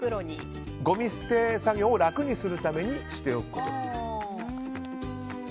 ごみ捨て作業を楽にするためにしておくこと。